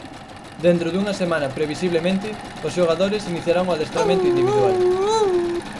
Dentro dunha semana previsiblemente os xogadores iniciarán o adestramento individual.